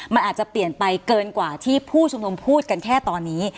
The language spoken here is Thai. มันอาจจะเปลี่ยนไปเกินกว่าที่ผู้ชุมนุมพูดกันแค่ตอนนี้